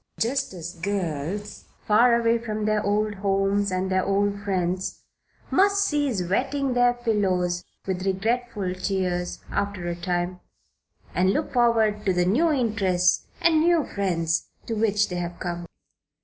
Just as girls, far away from their old homes and their old friends, must cease wetting their pillows with regretful tears after a time, and look forward to the new interests and new friends to which they have come.